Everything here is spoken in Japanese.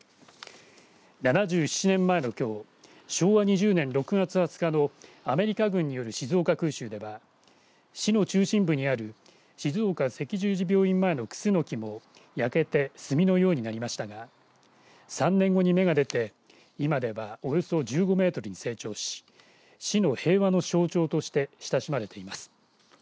７７年前のきょう昭和２０年６月２０日のアメリカ軍による静岡空襲では市の中心部にある静岡赤十字病院前のクスノキも焼けて炭のようになりましたが３年後に芽が出て今ではおよそ１５メートルに成長し市の平和の象徴として親しまれています。